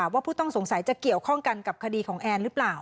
ผู้ต้องสงสัยจะเกี่ยวข้องกันกับคดีของแอนหรือเปล่า